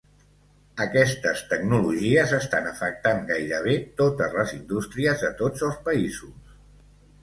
Aquestes tecnologies estan afectant gairebé totes les indústries de tots els països.